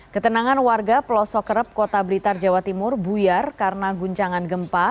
ketenangan warga pelosok kerep kota blitar jawa timur buyar karena guncangan gempa